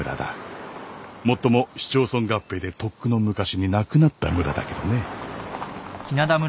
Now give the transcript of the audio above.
もっとも市町村合併でとっくの昔になくなった村だけどね。